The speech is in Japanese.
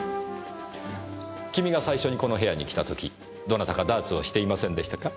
君が最初にこの部屋に来た時どなたかダーツをしていませんでしたか？